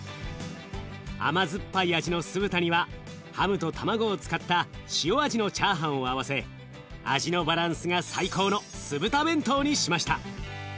甘酸っぱい味の酢豚にはハムと卵を使った塩味のチャーハンを合わせ味のバランスが最高の酢豚弁当にしました。